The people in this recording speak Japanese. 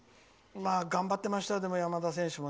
頑張ってましたよ、山田選手も。